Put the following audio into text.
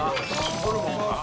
ホルモンか？